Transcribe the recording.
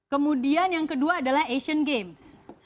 kemudian yang kedua adalah asian games